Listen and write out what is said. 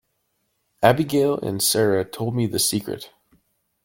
Abigail and Sara told me the secret.